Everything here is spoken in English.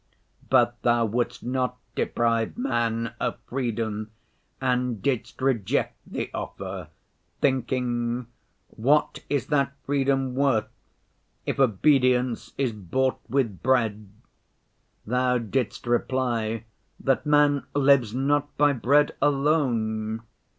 But Thou wouldst not deprive man of freedom and didst reject the offer, thinking, what is that freedom worth, if obedience is bought with bread? Thou didst reply that man lives not by bread alone.